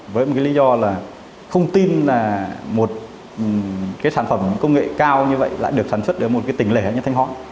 với một cái lý do là không tin là một cái sản phẩm công nghệ cao như vậy lại được sản xuất ở một cái tỉnh lẻ như thanh hóa